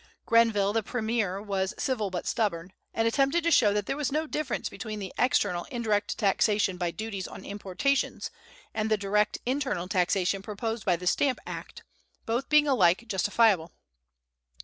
Grenville, the premier, was civil but stubborn, and attempted to show that there was no difference between the external, indirect taxation by duties on importations, and the direct, internal taxation proposed by the Stamp Act, both being alike justifiable.